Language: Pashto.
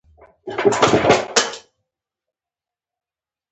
د نړۍ ځینې سیمې تل یخنۍ لري.